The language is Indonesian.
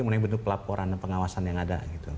kemudian bentuk pelaporan dan pengawasan yang ada